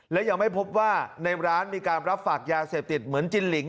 และยังไม่พบว่าในร้านมีการรับฝากยาเสพติดเหมือนจินหลิง